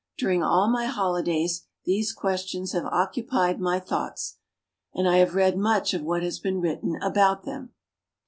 During all my holidays these questions have occupied my thoughts, and I have read much of what has been written about them."